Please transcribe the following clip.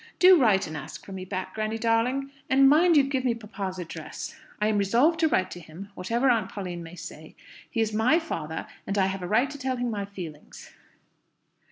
Do write and ask for me back, granny darling! And mind you give me papa's address. I am resolved to write to him, whatever Aunt Pauline may say. He is my father, and I have a right to tell him my feelings."